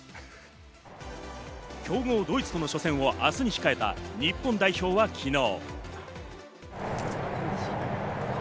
強豪・ドイツとの初戦を明日に控えた日本代表は昨日。